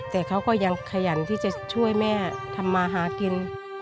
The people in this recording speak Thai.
แต่เขาก็ยังขยันที่จะช่วยแม่ทำมาหากิน